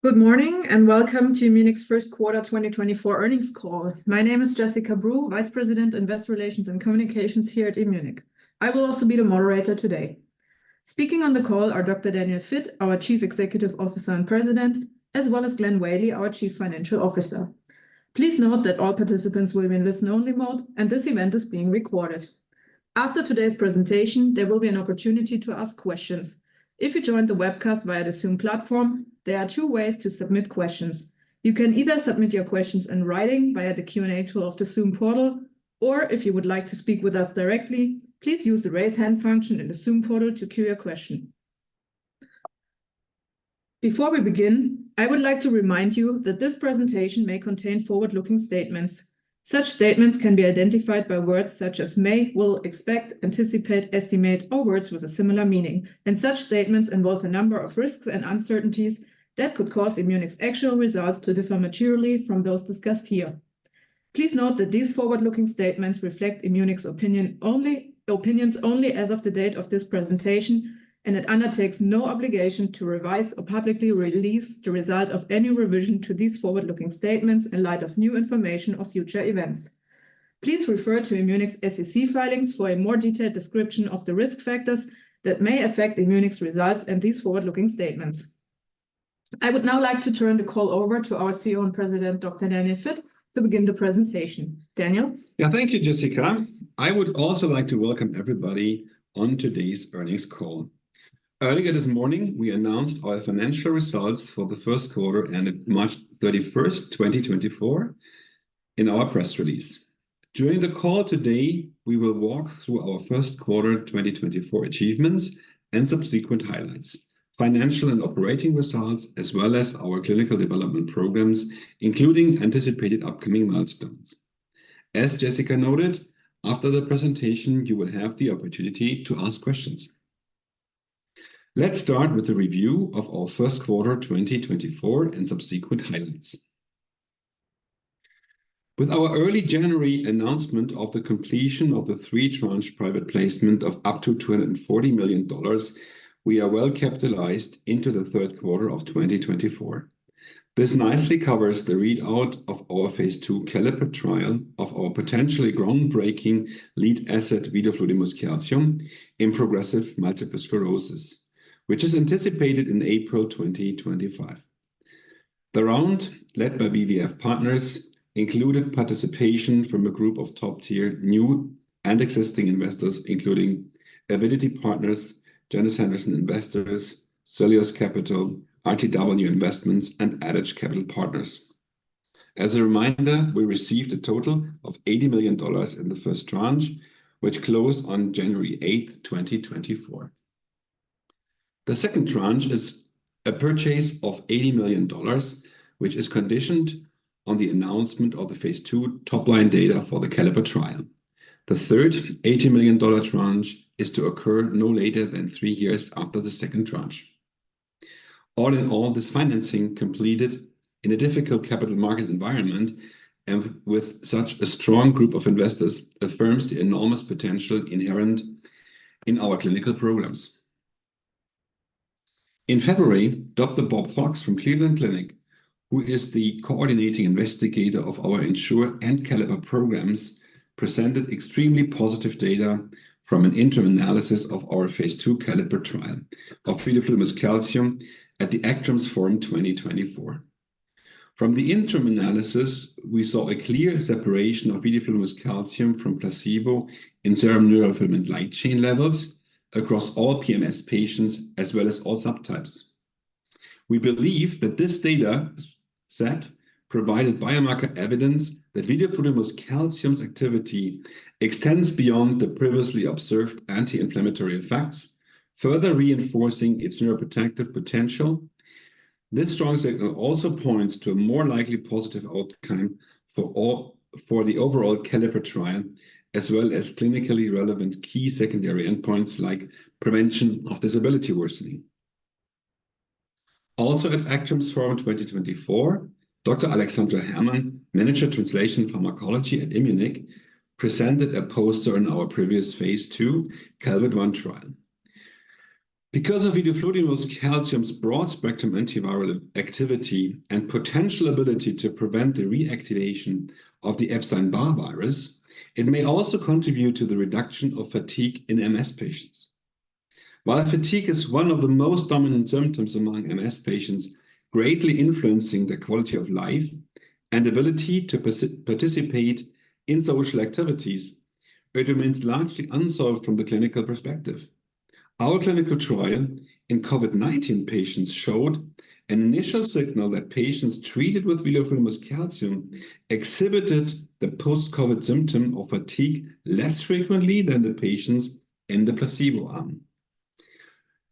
Good morning and welcome to Immunic's first quarter 2024 earnings call. My name is Jessica Breu, Vice President Investor Relations and Communications here at Immunic. I will also be the moderator today. Speaking on the call are Dr. Daniel Vitt, our Chief Executive Officer and President, as well as Glenn Whaley, our Chief Financial Officer. Please note that all participants will be in listen-only mode, and this event is being recorded. After today's presentation, there will be an opportunity to ask questions. If you joined the webcast via the Zoom platform, there are two ways to submit questions. You can either submit your questions in writing via the Q&A tool of the Zoom portal, or if you would like to speak with us directly, please use the raise hand function in the Zoom portal to cue your question. Before we begin, I would like to remind you that this presentation may contain forward-looking statements. Such statements can be identified by words such as "may," "will," "expect," "anticipate," "estimate," or words with a similar meaning. Such statements involve a number of risks and uncertainties that could cause Immunic's actual results to differ materially from those discussed here. Please note that these forward-looking statements reflect Immunic's opinions only as of the date of this presentation, and it undertakes no obligation to revise or publicly release the result of any revision to these forward-looking statements in light of new information or future events. Please refer to Immunic's SEC filings for a more detailed description of the risk factors that may affect Immunic's results and these forward-looking statements. I would now like to turn the call over to our CEO and President, Dr. Daniel Vitt, to begin the presentation. Daniel? Yeah, thank you, Jessica. I would also like to welcome everybody on today's earnings call. Earlier this morning, we announced our financial results for the first quarter ended March 31st, 2024, in our press release. During the call today, we will walk through our first quarter 2024 achievements and subsequent highlights, financial and operating results, as well as our clinical development programs, including anticipated upcoming milestones. As Jessica noted, after the presentation, you will have the opportunity to ask questions. Let's start with the review of our first quarter 2024 and subsequent highlights. With our early January announcement of the completion of the 3-tranche private placement of up to $240 million, we are well capitalized into the third quarter of 2024. This nicely covers the readout of our phase II CALLIPER trial of our potentially groundbreaking lead asset vidofludimus calcium in progressive multiple sclerosis, which is anticipated in April 2025. The round, led by BVF Partners, included participation from a group of top-tier new and existing investors, including Avidity Partners, Janus Henderson Investors, Soleus Capital, RTW Investments, and Adage Capital Partners. As a reminder, we received a total of $80 million in the first tranche, which closed on January 8, 2024. The second tranche is a purchase of $80 million, which is conditioned on the announcement of the phase II top-line data for the CALLIPER trial. The third $80 million tranche is to occur no later than three years after the second tranche. All in all, this financing, completed in a difficult capital market environment and with such a strong group of investors, affirms the enormous potential inherent in our clinical programs. In February, Dr. Robert Fox from Cleveland Clinic, who is the coordinating investigator of our ENSURE and CALLIPER programs, presented extremely positive data from an interim analysis of our phase II CALLIPER trial of vidofludimus calcium at the ACTRIMS Forum 2024. From the interim analysis, we saw a clear separation of vidofludimus calcium from placebo in serum neurofilament light chain levels across all PMS patients as well as all subtypes. We believe that this data set provided biomarker evidence that vidofludimus calcium's activity extends beyond the previously observed anti-inflammatory effects, further reinforcing its neuroprotective potential. This strong signal also points to a more likely positive outcome for the overall CALLIPER trial as well as clinically relevant key secondary endpoints like prevention of disability worsening. Also, at ACTRIMS Forum 2024, Dr. Alexandra Herrmann, Manager Translational Pharmacology at Immunic, presented a poster in our previous phase II CALVID-1 trial. Because of vidofludimus calcium's broad-spectrum antiviral activity and potential ability to prevent the reactivation of the Epstein-Barr virus, it may also contribute to the reduction of fatigue in MS patients. While fatigue is one of the most dominant symptoms among MS patients, greatly influencing their quality of life and ability to participate in social activities, it remains largely unsolved from the clinical perspective. Our clinical trial in COVID-19 patients showed an initial signal that patients treated with vidofludimus calcium exhibited the post-COVID symptom of fatigue less frequently than the patients in the placebo arm.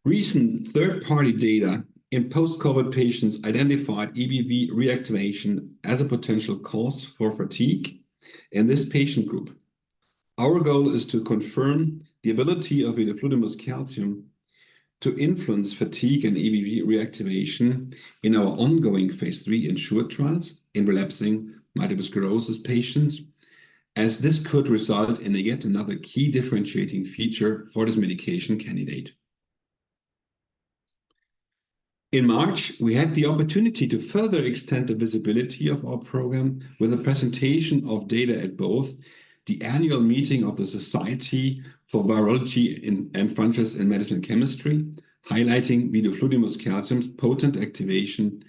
Recent third-party data in post-COVID patients identified EBV reactivation as a potential cause for fatigue in this patient group. Our goal is to confirm the ability of vidofludimus calcium to influence fatigue and EBV reactivation in our ongoing phase III ENSURE trials in relapsing multiple sclerosis patients, as this could result in yet another key differentiating feature for this medication candidate. In March, we had the opportunity to further extend the visibility of our program with a presentation of data at both the annual meeting of the Society for Virology and Frontiers in Medicinal Chemistry, highlighting vidofludimus calcium's potent activation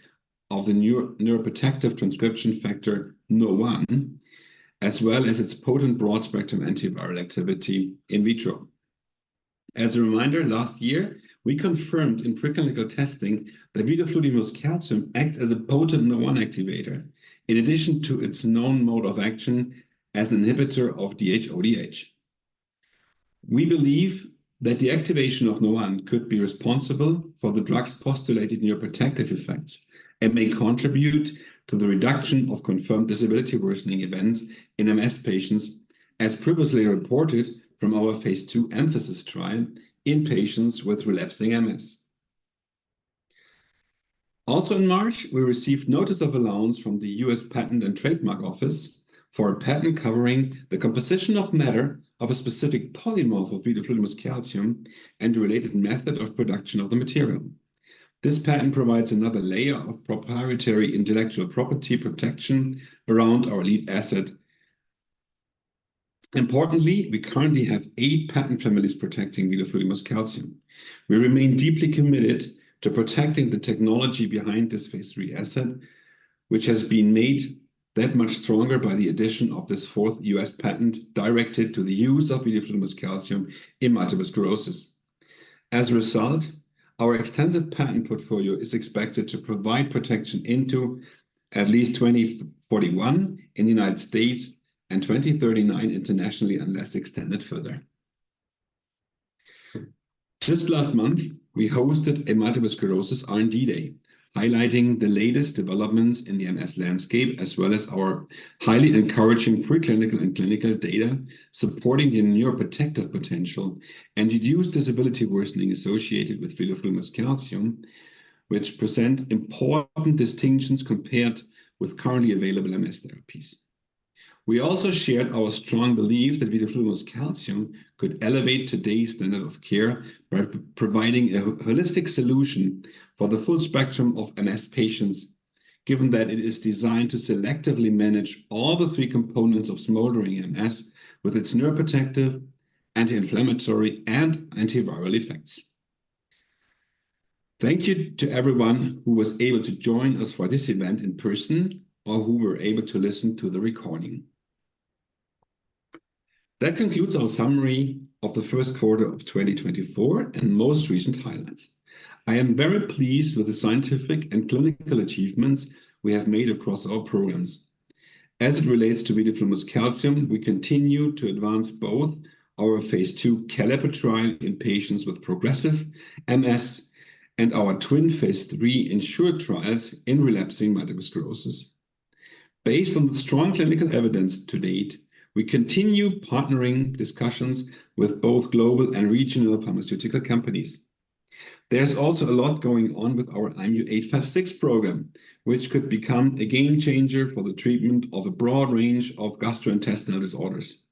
of the new neuroprotective transcription factor Nurr1, as well as its potent broad-spectrum antiviral activity in vitro. As a reminder, last year, we confirmed in preclinical testing that vidofludimus calcium acts as a potent Nurr1 activator in addition to its known mode of action as an inhibitor of DHODH. We believe that the activation of Nurr1 could be responsible for the drug's postulated neuroprotective effects and may contribute to the reduction of confirmed disability worsening events in MS patients, as previously reported from our phase II EMPhASIS trial in patients with relapsing MS. Also, in March, we received notice of allowance from the US Patent and Trademark Office for a patent covering the composition of matter of a specific polymorph of vidofludimus calcium and the related method of production of the material. This patent provides another layer of proprietary intellectual property protection around our lead asset. Importantly, we currently have eight patent families protecting vidofludimus calcium. We remain deeply committed to protecting the technology behind this phase III asset, which has been made that much stronger by the addition of this fourth US patent directed to the use of vidofludimus calcium in multiple sclerosis. As a result, our extensive patent portfolio is expected to provide protection into at least 2041 in the United States and 2039 internationally unless extended further. Just last month, we hosted a Multiple Sclerosis R&D Day, highlighting the latest developments in the MS landscape as well as our highly encouraging preclinical and clinical data supporting the neuroprotective potential and reduced disability worsening associated with vidofludimus calcium, which present important distinctions compared with currently available MS therapies. We also shared our strong belief that vidofludimus calcium could elevate today's standard of care by providing a holistic solution for the full spectrum of MS patients, given that it is designed to selectively manage all the three components of smoldering MS with its neuroprotective, anti-inflammatory, and antiviral effects. Thank you to everyone who was able to join us for this event in person or who were able to listen to the recording. That concludes our summary of the first quarter of 2024 and most recent highlights. I am very pleased with the scientific and clinical achievements we have made across our programs. As it relates to vidofludimus calcium, we continue to advance both our phase II CALLIPER trial in patients with progressive MS and our twin phase III ENSURE trials in relapsing multiple sclerosis. Based on the strong clinical evidence to date, we continue partnering discussions with both global and regional pharmaceutical companies. There's also a lot going on with our IMU-856 program, which could become a game changer for the treatment of a broad range of gastrointestinal disorders.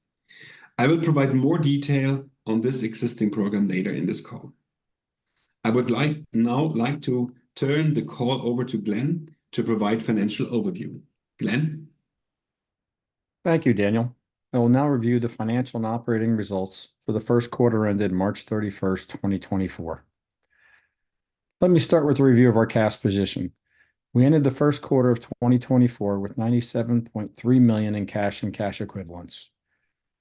I will provide more detail on this existing program later in this call. I would now like to turn the call over to Glenn to provide financial overview. Glenn? Thank you, Daniel. I will now review the financial and operating results for the first quarter ended March 31st, 2024. Let me start with a review of our cash position. We ended the first quarter of 2024 with $97.3 million in cash and cash equivalents.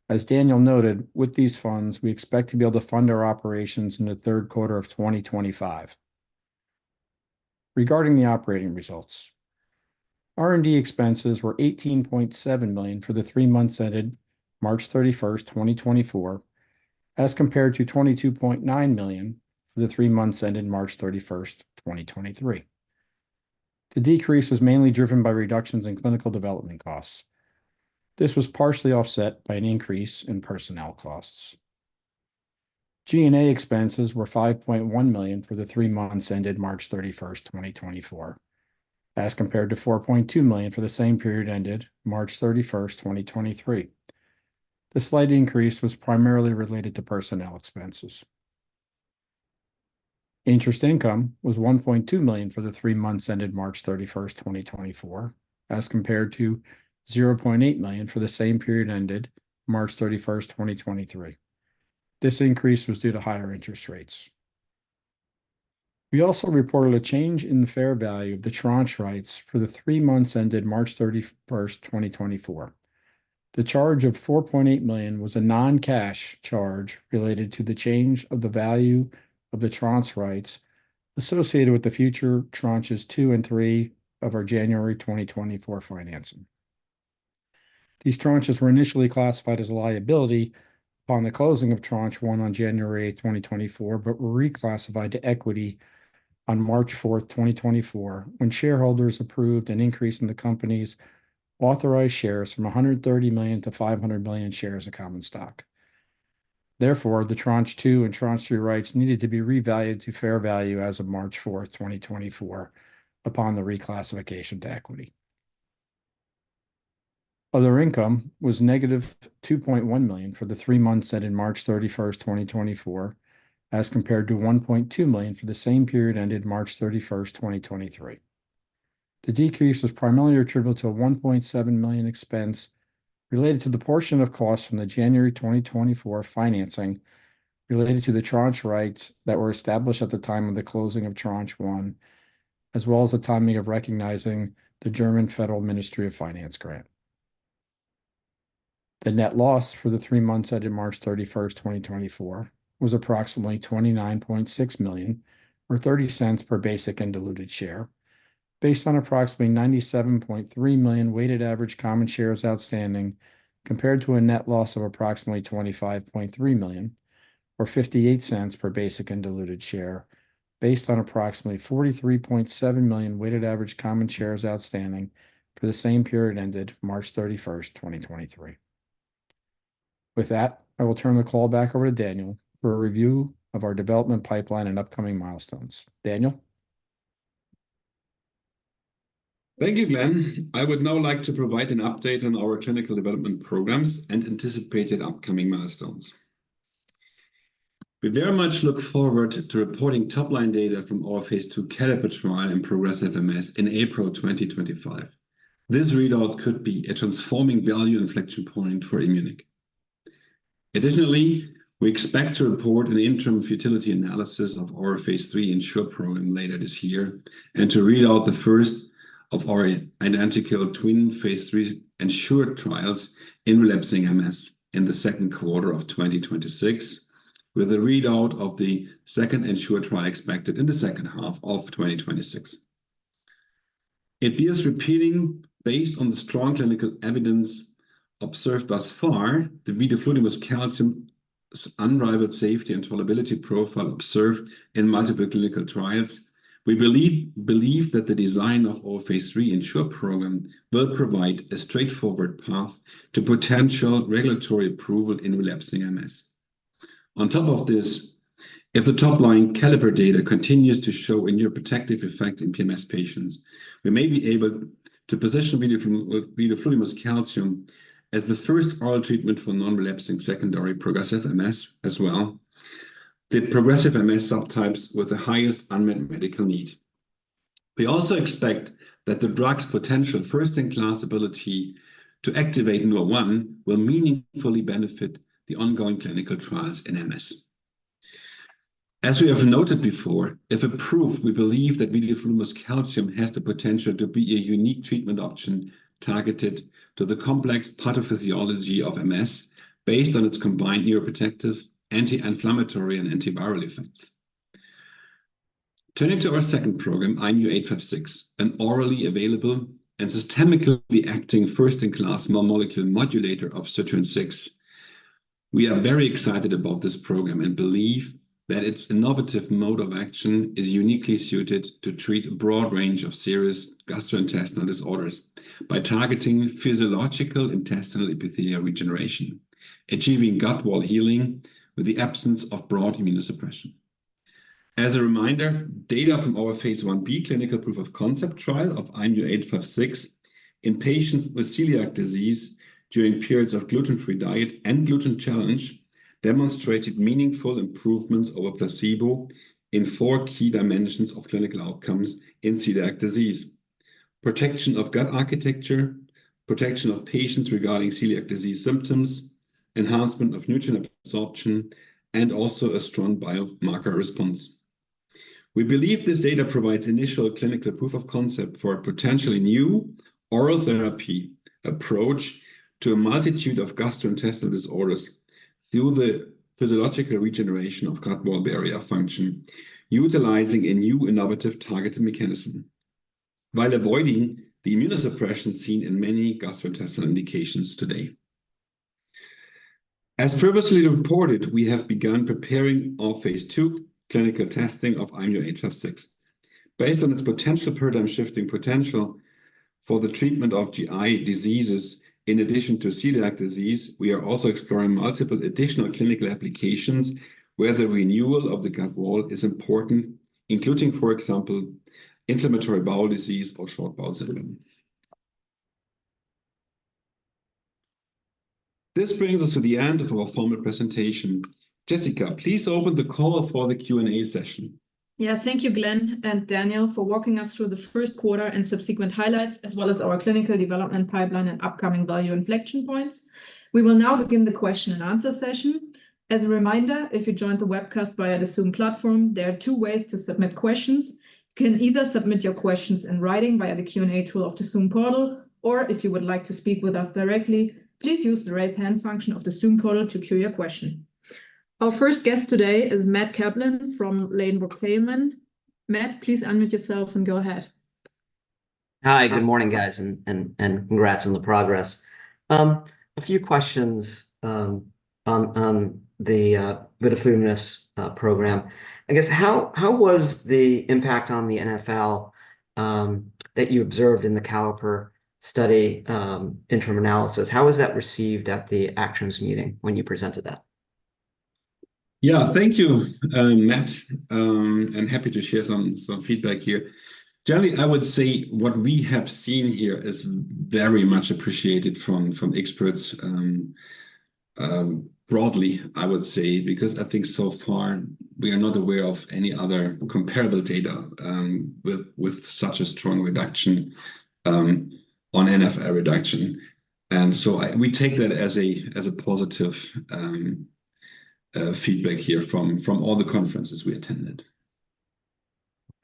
As Daniel noted, with these funds, we expect to be able to fund our operations in the third quarter of 2025. Regarding the operating results, R&D expenses were $18.7 million for the three months ended March 31st, 2024, as compared to $22.9 million for the three months ended March 31st, 2023. The decrease was mainly driven by reductions in clinical development costs. This was partially offset by an increase in personnel costs. G&A expenses were $5.1 million for the three months ended March 31st, 2024, as compared to $4.2 million for the same period ended March 31st, 2023. The slight increase was primarily related to personnel expenses. Interest income was $1.2 million for the three months ended March 31st, 2024, as compared to $0.8 million for the same period ended March 31st, 2023. This increase was due to higher interest rates. We also reported a change in the fair value of the tranche rights for the three months ended March 31st, 2024. The charge of $4.8 million was a non-cash charge related to the change in the value of the tranche rights associated with the future tranches two and three of our January 2024 financing. These tranches were initially classified as a liability upon the closing of tranche one on January 2024, but were reclassified to equity on March 4th, 2024, when shareholders approved an increase in the company's authorized shares from 130 million to 500 million shares of common stock. Therefore, the tranche two and tranche three rights needed to be revalued to fair value as of March 4th, 2024, upon the reclassification to equity. Other income was negative $2.1 million for the three months ended March 31st, 2024, as compared to $1.2 million for the same period ended March 31st, 2023. The decrease was primarily attributable to a $1.7 million expense related to the portion of costs from the January 2024 financing related to the tranche rights that were established at the time of the closing of tranche one, as well as the timing of recognizing the German Federal Ministry of Finance grant. The net loss for the three months ended March 31st, 2024, was approximately $29.6 million or $0.30 per basic and diluted share, based on approximately 97.3 million weighted average common shares outstanding compared to a net loss of approximately $25.3 million or $0.58 per basic and diluted share, based on approximately 43.7 million weighted average common shares outstanding for the same period ended March 31st, 2023. With that, I will turn the call back over to Daniel for a review of our development pipeline and upcoming milestones. Daniel? Thank you, Glenn. I would now like to provide an update on our clinical development programs and anticipated upcoming milestones. We very much look forward to reporting top-line data from our phase II CALLIPER trial in progressive MS in April 2025. This readout could be a transforming value inflection point for Immunic. Additionally, we expect to report an interim fertility analysis of our phase III ENSURE program later this year and to readout the first of our identical twin phase III ENSURE trials in relapsing MS in the second quarter of 2026, with a readout of the second ENSURE trial expected in the second half of 2026. It bears repeating, based on the strong clinical evidence observed thus far, the vidofludimus calcium's unrivaled safety and tolerability profile observed in multiple clinical trials, we believe that the design of our phase III ENSURE program will provide a straightforward path to potential regulatory approval in relapsing MS. On top of this, if the top-line CALLIPER data continues to show a neuroprotective effect in PMS patients, we may be able to position vidofludimus calcium as the first oral treatment for non-relapsing secondary progressive MS as well, the progressive MS subtypes with the highest unmet medical need. We also expect that the drug's potential first-in-class ability to activate Nurr1 will meaningfully benefit the ongoing clinical trials in MS. As we have noted before, if approved, we believe that vidofludimus calcium has the potential to be a unique treatment option targeted to the complex pathophysiology of MS based on its combined neuroprotective, anti-inflammatory, and antiviral effects. Turning to our second program, IMU-856, an orally available and systemically acting first-in-class molecule modulator of Sirtuin-6, we are very excited about this program and believe that its innovative mode of action is uniquely suited to treat a broad range of serious gastrointestinal disorders by targeting physiological intestinal epithelial regeneration, achieving gut-wall healing with the absence of broad immunosuppression. As a reminder, data from our phase I-B clinical proof of concept trial of IMU-856 in patients with celiac disease during periods of gluten-free diet and gluten challenge demonstrated meaningful improvements over placebo in four key dimensions of clinical outcomes in celiac disease: protection of gut architecture, protection of patients regarding celiac disease symptoms, enhancement of nutrient absorption, and also a strong biomarker response. We believe this data provides initial clinical proof of concept for a potentially new oral therapy approach to a multitude of gastrointestinal disorders through the physiological regeneration of gut-wall barrier function, utilizing a new innovative targeting mechanism while avoiding the immunosuppression seen in many gastrointestinal indications today. As previously reported, we have begun preparing our phase II clinical testing of IMU-856. Based on its potential paradigm-shifting potential for the treatment of GI diseases in addition to celiac disease, we are also exploring multiple additional clinical applications where the renewal of the gut wall is important, including, for example, inflammatory bowel disease or short bowel syndrome. This brings us to the end of our formal presentation. Jessica, please open the call for the Q&A session. Yeah, thank you, Glenn and Daniel, for walking us through the first quarter and subsequent highlights, as well as our clinical development pipeline and upcoming value inflection points. We will now begin the question and answer session. As a reminder, if you joined the webcast via the Zoom platform, there are two ways to submit questions. You can either submit your questions in writing via the Q&A tool of the Zoom portal, or if you would like to speak with us directly, please use the raise hand function of the Zoom portal to cue your question. Our first guest today is Matt Kaplan from Ladenburg Thalmann. Matt, please unmute yourself and go ahead. Hi, good morning, guys, and congrats on the progress. A few questions on the vidofludimus program. I guess, how was the impact on the NfL that you observed in the CALLIPER study interim analysis? How was that received at the ACTRIMS meeting when you presented that? Yeah, thank you, Matt, and happy to share some feedback here. Generally, I would say what we have seen here is very much appreciated from experts broadly, I would say, because I think so far we are not aware of any other comparable data with such a strong reduction on NfL reduction. And so we take that as a positive feedback here from all the conferences we attended.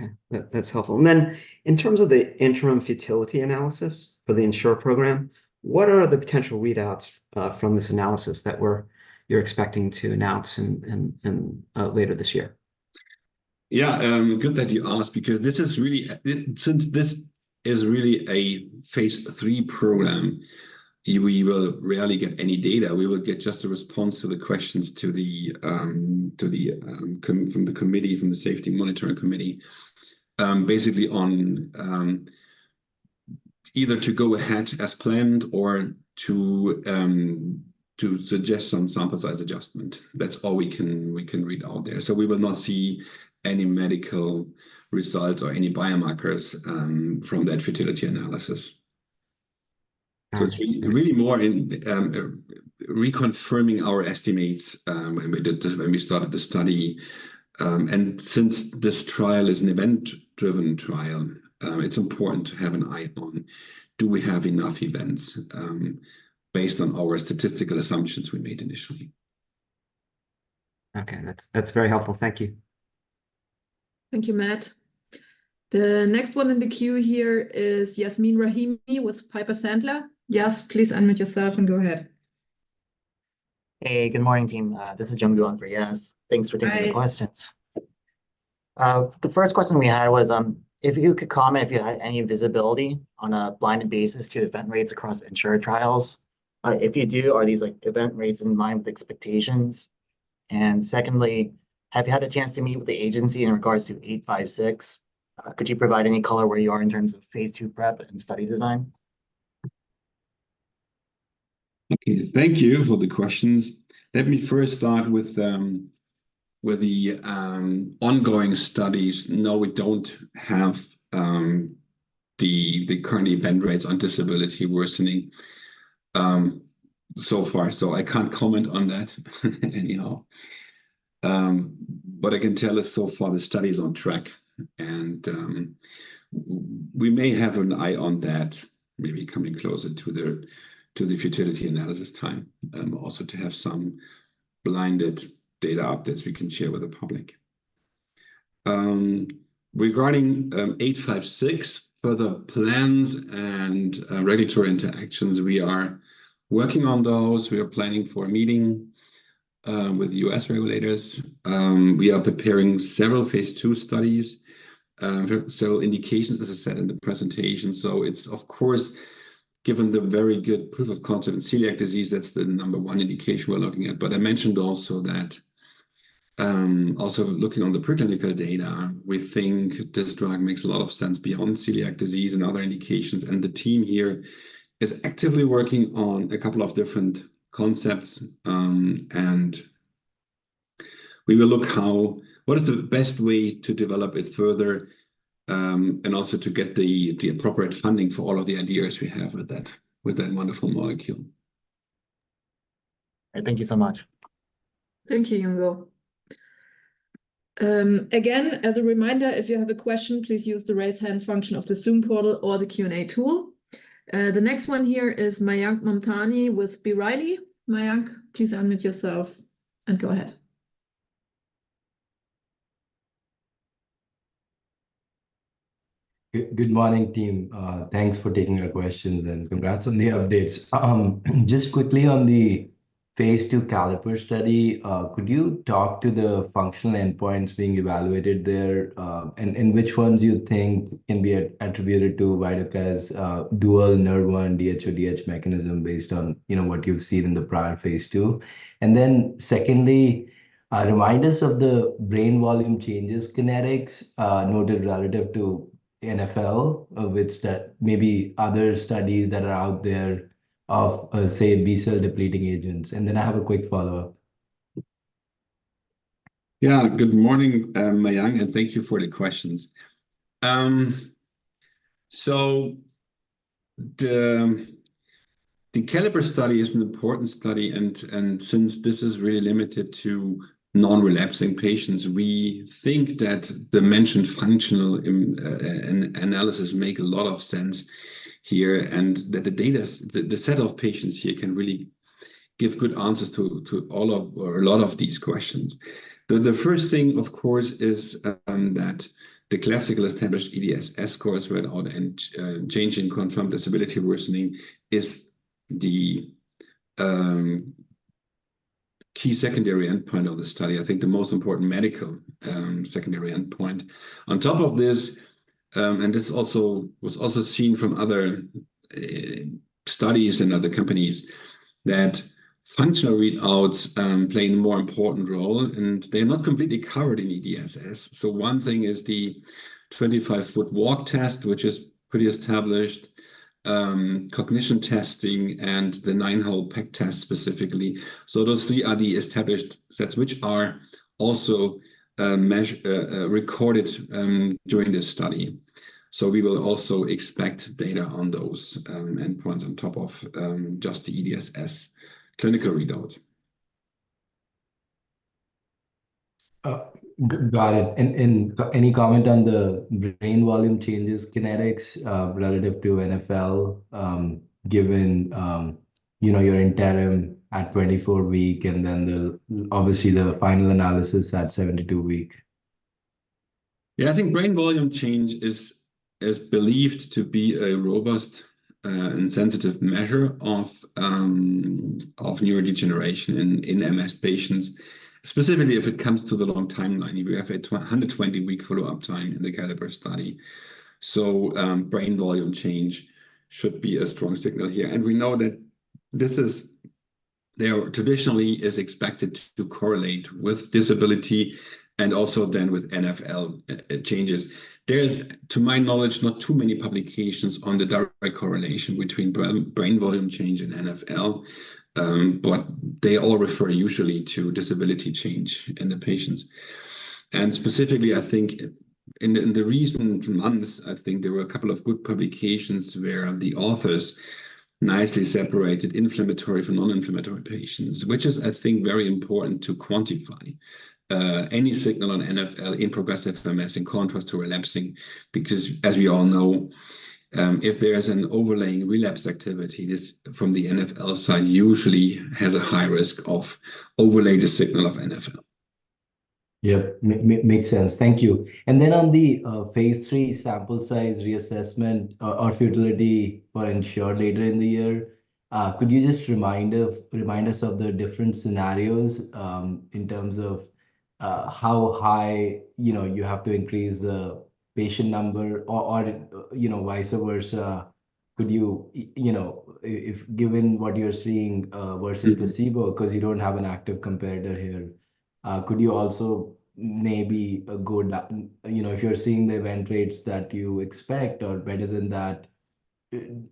Okay, that's helpful. And then in terms of the interim fertility analysis for the ENSURE program, what are the potential readouts from this analysis that you're expecting to announce later this year? Yeah, good that you asked because this is really a phase III program, we will rarely get any data. We will get just a response to the questions from the committee, from the safety monitoring committee, basically on either to go ahead as planned or to suggest some sample size adjustment. That's all we can read out there. So we will not see any medical results or any biomarkers from that futility analysis. So it's really more in reconfirming our estimates when we started the study. And since this trial is an event-driven trial, it's important to have an eye on, do we have enough events based on our statistical assumptions we made initially? Okay, that's very helpful. Thank you. Thank you, Matt. The next one in the queue here is Yasmeen Rahimi with Piper Sandler. Yes, please unmute yourself and go ahead. Hey, good morning, team. This is Joe Quinn for Yasmeen. Thanks for taking the questions. The first question we had was if you could comment if you had any visibility on a blinded basis to event rates across ENSURE trials. If you do, are these event rates in line with expectations? And secondly, have you had a chance to meet with the agency in regards to 856? Could you provide any color where you are in terms of phase II prep and study design? Okay, thank you for the questions. Let me first start with where the ongoing studies: now we don't have the current event rates on disability worsening so far. So I can't comment on that anyhow. What I can tell is so far the study is on track. And we may have an eye on that maybe coming closer to the final analysis time also to have some blinded data updates we can share with the public. Regarding 856, further plans and regulatory interactions, we are working on those. We are planning for a meeting with U.S. regulators. We are preparing several phase II studies, several indications, as I said in the presentation. So it's, of course, given the very good proof of concept in celiac disease, that's the number 1 indication we're looking at. But I mentioned also that, looking on the preclinical data, we think this drug makes a lot of sense beyond celiac disease and other indications. The team here is actively working on a couple of different concepts. We will look how what is the best way to develop it further and also to get the appropriate funding for all of the ideas we have with that wonderful molecule. All right, thank you so much. Thank you, Joe Quinn. Again, as a reminder, if you have a question, please use the raise hand function of the Zoom portal or the Q&A tool. The next one here is Mayank Mamtani with B. Riley. Mayank, please unmute yourself and go ahead. Good morning, team. Thanks for taking your questions and congrats on the updates. Just quickly on the phase II CALLIPER study, could you talk to the functional endpoints being evaluated there and which ones you think can be attributed to vidofludimus calcium's dual Nurr1 DHODH mechanism based on what you've seen in the prior phase II? And then secondly, remind us of the brain volume changes kinetics noted relative to NfL with maybe other studies that are out there of, say, B-cell depleting agents. And then I have a quick follow-up. Yeah, good morning, Mayank, and thank you for the questions. So the CALLIPER study is an important study. And since this is really limited to non-relapsing patients, we think that the mentioned functional analysis makes a lot of sense here and that the set of patients here can really give good answers to all of or a lot of these questions. The first thing, of course, is that the classical established EDSS scores read out and change in confirmed disability worsening is the key secondary endpoint of the study, I think the most important medical secondary endpoint. On top of this, and this also was also seen from other studies and other companies, that functional readouts play a more important role, and they are not completely covered in EDSS. So one thing is the 25-foot walk test, which is pretty established, cognition testing, and the nine-hole peg test specifically. Those three are the established sets, which are also recorded during this study. We will also expect data on those endpoints on top of just the EDSS clinical readouts. Got it. And any comment on the brain volume changes kinetics relative to NFL given your interim at 24-week and then obviously the final analysis at 72-week? Yeah, I think brain volume change is believed to be a robust and sensitive measure of neurodegeneration in MS patients, specifically if it comes to the long timeline. We have a 120-week follow-up time in the CALLIPER study. So brain volume change should be a strong signal here. And we know that this is there traditionally is expected to correlate with disability and also then with NFL changes. There is, to my knowledge, not too many publications on the direct correlation between brain volume change and NFL, but they all refer usually to disability change in the patients. Specifically, I think in the recent months, I think there were a couple of good publications where the authors nicely separated inflammatory from non-inflammatory patients, which is, I think, very important to quantify any signal on NfL in progressive MS in contrast to relapsing because, as we all know, if there is an overlaying relapse activity, this from the NfL side usually has a high risk of overlaying the signal of NfL. Yeah, makes sense. Thank you. And then on the phase III sample size reassessment or futility for ENSURE later in the year, could you just remind us of the different scenarios in terms of how high you have to increase the patient number or vice versa? Could you, if given what you're seeing versus placebo because you don't have an active competitor here, could you also maybe go down if you're seeing the event rates that you expect or better than that,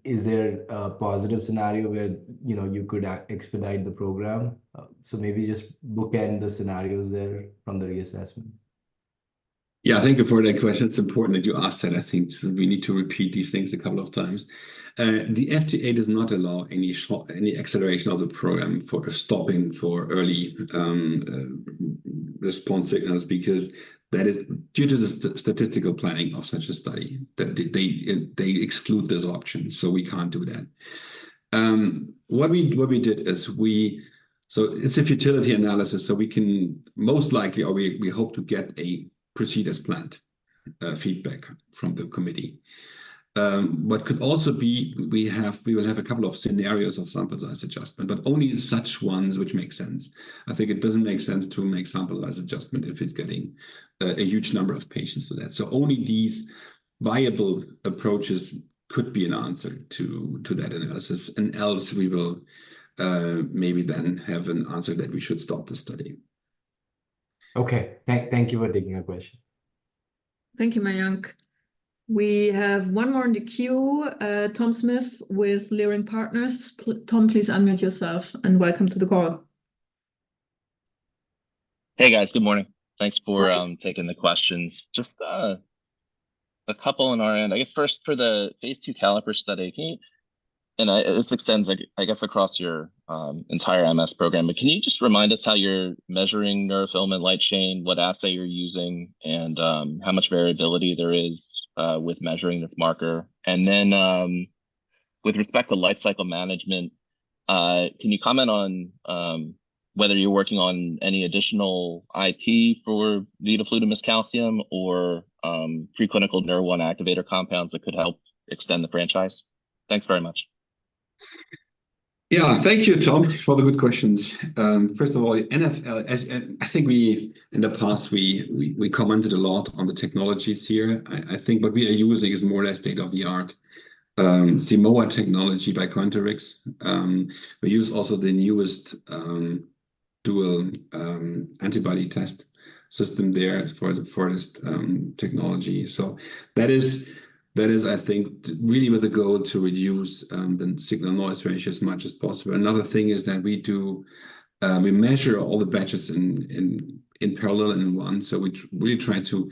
is there a positive scenario where you could expedite the program? So maybe just bookend the scenarios there from the reassessment. Yeah, thank you for that question. It's important that you asked that. I think we need to repeat these things a couple of times. The FDA does not allow any acceleration of the program for stopping for early response signals because that is due to the statistical planning of such a study that they exclude this option. So we can't do that. What we did is, so it's a futility analysis. So we can most likely or we hope to get a proceed as planned feedback from the committee. But could also be we will have a couple of scenarios of sample size adjustment, but only such ones which make sense. I think it doesn't make sense to make sample size adjustment if it's getting a huge number of patients to that. So only these viable approaches could be an answer to that analysis. Else we will maybe then have an answer that we should stop the study. Okay, thank you for taking our question. Thank you, Mayank. We have one more in the queue, Tom Smith with Leerink Partners. Tom, please unmute yourself and welcome to the call. Hey, guys, good morning. Thanks for taking the questions. Just a couple on our end. I guess first for the phase II CALLIPER study, can you and this extends, I guess, across your entire MS program, but can you just remind us how you're measuring neurofilament light chain, what assay you're using, and how much variability there is with measuring this marker? And then with respect to lifecycle management, can you comment on whether you're working on any additional IP for vidofludimus calcium or preclinical Nurr1 activator compounds that could help extend the franchise? Thanks very much. Yeah, thank you, Tom, for the good questions. First of all, I think we in the past, we commented a lot on the technologies here. I think what we are using is more or less state-of-the-art Simoa technology by Quanterix. We use also the newest dual antibody test system there for this technology. So that is, I think, really with the goal to reduce the signal noise range as much as possible. Another thing is that we measure all the batches in parallel and in one. So we really try to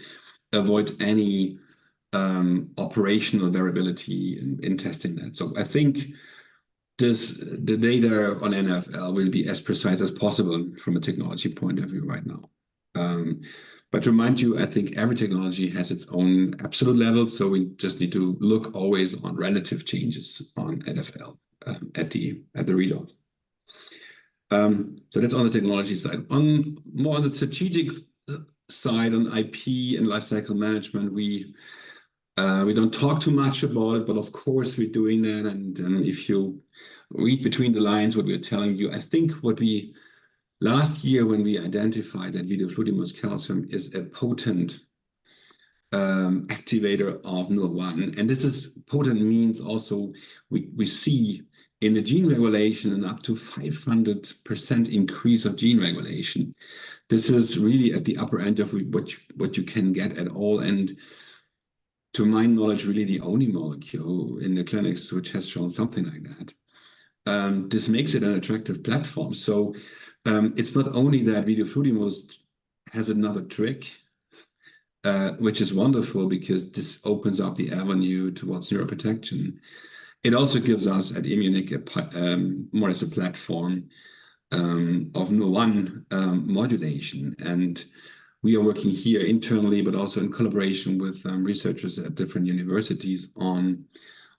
avoid any operational variability in testing that. So I think the data on NfL will be as precise as possible from a technology point of view right now. But to remind you, I think every technology has its own absolute level. So we just need to look always on relative changes on NfL at the readout. So that's on the technology side. More on the strategic side on IP and lifecycle management, we don't talk too much about it, but of course, we're doing that. And if you read between the lines what we're telling you, I think what we last year when we identified that vidofludimus calcium is a potent activator of Nurr1. And this is potent means also we see in the gene regulation an up to 500% increase of gene regulation. This is really at the upper end of what you can get at all. And to my knowledge, really the only molecule in the clinics which has shown something like that. This makes it an attractive platform. So it's not only that vidofludimus has another trick, which is wonderful because this opens up the avenue towards neuroprotection. It also gives us at Immunic more as a platform of Nurr1 modulation. And we are working here internally, but also in collaboration with researchers at different universities on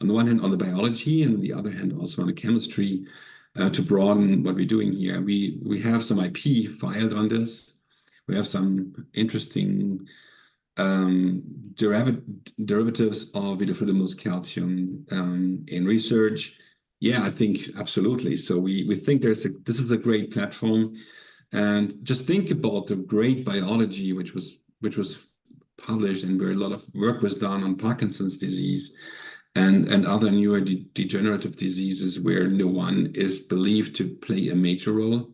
the one hand, on the biology, and on the other hand, also on the chemistry to broaden what we're doing here. We have some IP filed on this. We have some interesting derivatives of vidofludimus calcium in research. Yeah, I think absolutely. So we think this is a great platform. And just think about the great biology, which was published and where a lot of work was done on Parkinson's disease and other neurodegenerative diseases where Nurr1 is believed to play a major role.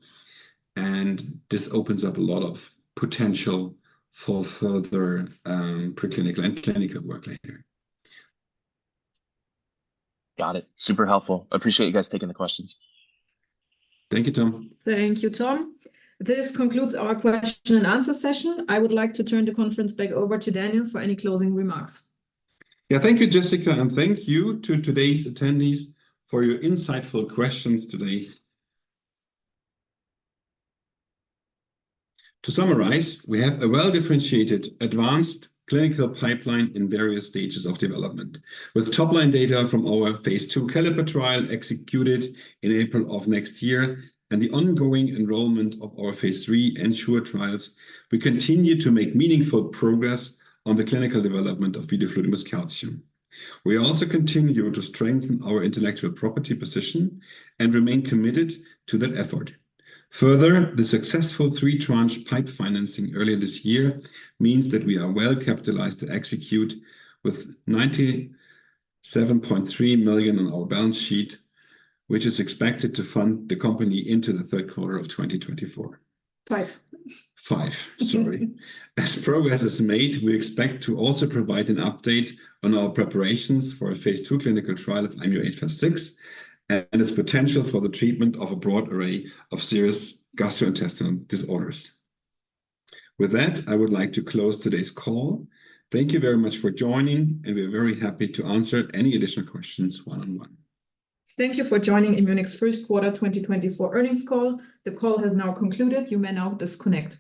And this opens up a lot of potential for further preclinical and clinical work later. Got it. Super helpful. Appreciate you guys taking the questions. Thank you, Tom. Thank you, Tom. This concludes our question and answer session. I would like to turn the conference back over to Daniel for any closing remarks. Yeah, thank you, Jessica. And thank you to today's attendees for your insightful questions today. To summarize, we have a well-differentiated advanced clinical pipeline in various stages of development. With top-line data from our phase II CALLIPER trial executed in April of next year and the ongoing enrollment of our phase III ENSURE trials, we continue to make meaningful progress on the clinical development of vidofludimus calcium. We also continue to strengthen our intellectual property position and remain committed to that effort. Further, the successful three-tranche PIPE financing earlier this year means that we are well capitalized to execute with $97.3 million on our balance sheet, which is expected to fund the company into the third quarter of 2024. Five. 2025, sorry. As progress is made, we expect to also provide an update on our preparations for a phase II clinical trial of IMU-856 and its potential for the treatment of a broad array of serious gastrointestinal disorders. With that, I would like to close today's call. Thank you very much for joining, and we are very happy to answer any additional questions one-on-one. Thank you for joining Immunic's first quarter 2024 earnings call. The call has now concluded. You may now disconnect.